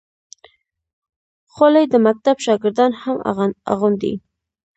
خولۍ د مکتب شاګردان هم اغوندي.